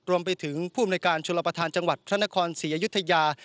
รวมไปถึงผู้มีรายการชนลประธานจังหวัดธนาคมศรีอยุธยา